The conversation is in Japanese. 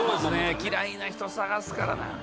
嫌いな人探すからなぁ。